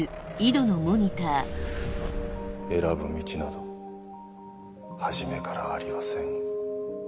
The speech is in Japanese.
選ぶ道など初めからありはせん。